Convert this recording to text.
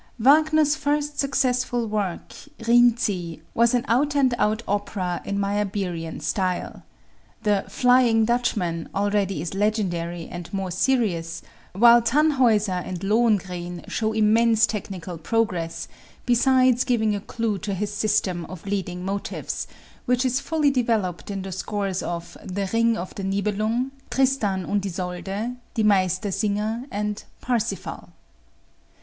Wagner's first successful work, "Rienzi," was an out and out opera in Meyerbeerian style. The "Flying Dutchman" already is legendary and more serious, while "Tannhäuser" and "Lohengrin" show immense technical progress, besides giving a clue to his system of leading motives, which is fully developed in the scores of the "Ring of the Nibelung," "Tristan und Isolde," "Die Meistersinger," and "Parsifal."